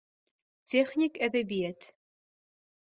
Техник әҙәбиәт